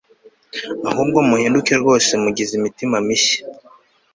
ahubwo muhinduke rwose mugize imitima mishya